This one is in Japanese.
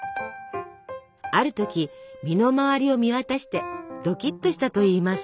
ある時身の回りを見渡してドキッとしたといいます。